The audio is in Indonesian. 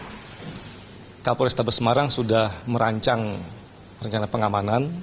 kepala polestables semarang sudah merancang rencana pengamanan